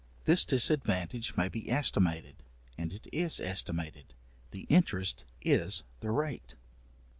This disadvantage may be estimated, and it is estimated, the interest is the rate.